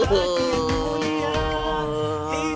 kaki mulia itulah kuncinya